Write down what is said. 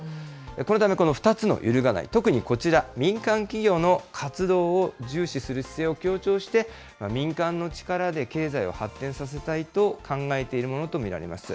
このため、この２つの揺るがない、特にこちら、民間企業の活動を重視する姿勢を強調して、民間の力で経済を発展させたいと考えているものと見られます。